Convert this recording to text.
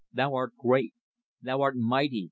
Thou art great! Thou art mighty!